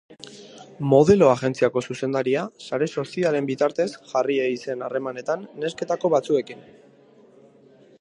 Modelo agentziako zuzendaria sare sozialen bitartez jarri ei zen harremanetan nesketako batzuekin.